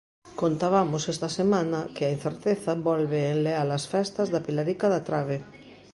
Contabamos esta semana que a incerteza volve enlear as festas da Pilarica da Trabe.